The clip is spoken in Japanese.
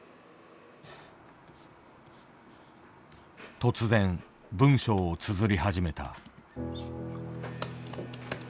突然文章をつづり始めた。